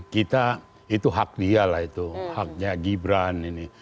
kita itu hak dialah itu haknya gibran ini